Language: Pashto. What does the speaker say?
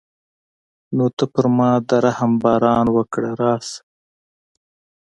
نو ته پر ما د رحم باران وکړه راشه.